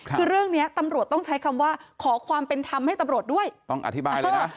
คือเรื่องนี้ตำรวจต้องใช้คำว่าขอความเป็นธรรมให้ตำรวจด้วยต้องอธิบายเลยนะ